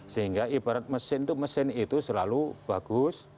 sehingga ibarat mesin itu mesin itu selalu bagus